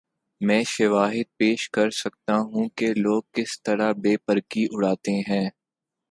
میں شواہد پیش کر سکتا ہوں کہ لوگ کس طرح بے پر کی اڑاتے ہیں۔